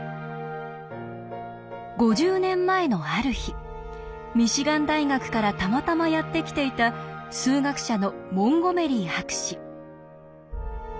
５０年前のある日ミシガン大学からたまたまやって来ていた数学者のモンゴメリー博士。